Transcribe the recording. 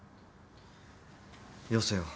よせよ。